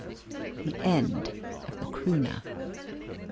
THE END OF THE "CROONAH".